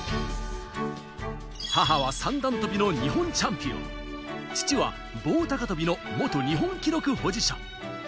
母は三段跳びの日本チャンピオン、父は棒高跳びの元日本記録保持者。